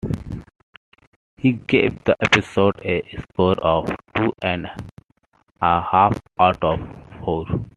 He gave the episode a score of two and a half out of four.